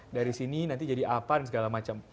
dari sini nanti jadi apa dan segala macam